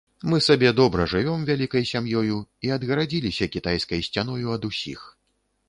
Мы сабе добра жывём вялікай сям'ёю і адгарадзіліся кітайскай сцяною ад усіх.